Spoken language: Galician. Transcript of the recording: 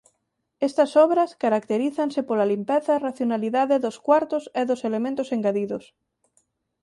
Estas obras caracterízanse pola limpeza e racionalidade dos cuartos e dos elementos engadidos.